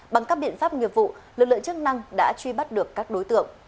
bằng các biện pháp nghiệp vụ lực lượng chức năng đã truy bắt được các đối tượng